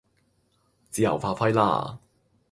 自由發揮啦